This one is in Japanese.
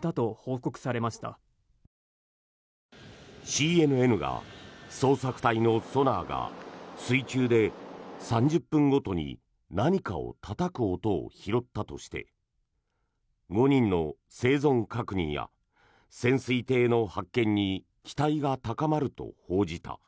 ＣＮＮが捜索隊のソナーが水中で３０分ごとに何かをたたく音を拾ったとして５人の生存確認や潜水艇の発見に期待が高まると報じた。